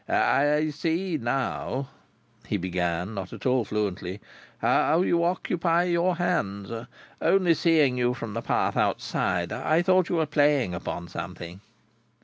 "I see now," he began, not at all fluently, "how you occupy your hands. Only seeing you from the path outside, I thought you were playing upon something."